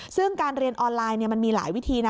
ซึ่งการเรียนออนไลน์มันมีหลายวิธีนะ